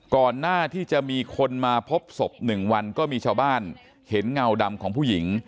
ก่อนหน้าที่จะมีคนมาพบศพ๑วันก็มีชาวบ้านเห็นเงาดำของผู้หญิง